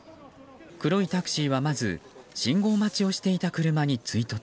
黒いタクシーはまず信号待ちをしていた車に追突。